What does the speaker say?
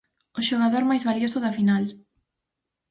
O xogador máis valioso da final.